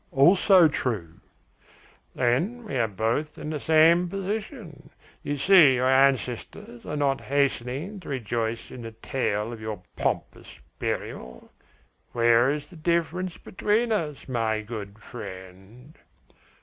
"Also true." "Then we are in the same position? You see your ancestors are not hastening to rejoice in the tale of your pompous burial. Where is the difference between us, my good friend?"